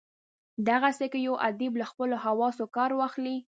دغسي که یو ادیب له خپلو حواسو کار واخلي.